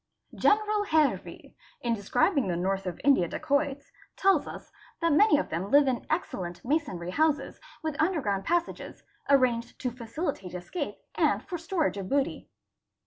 | General Hervey 1121) in describing the North of India dacoits tells us ' that many of them live in excellent masonry houses with underground " passages, arranged to facilitate escape and for storage of booty.